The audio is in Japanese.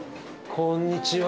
こんにちは。